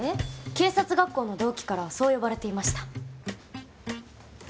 警察学校の同期からはそう呼ばれていました。